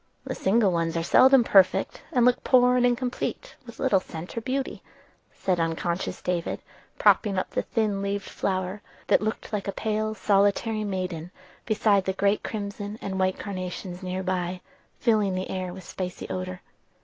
"The single ones are seldom perfect, and look poor and incomplete with little scent or beauty," said unconscious David propping up the thin leaved flower, that looked like a pale solitary maiden, beside the great crimson and white carnations near by, filling the air with spicy odor.